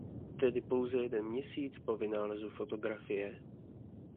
Tedy pouze jeden měsíc po vynálezu fotografie.